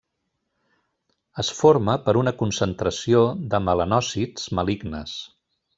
Es forma per una concentració de melanòcits malignes.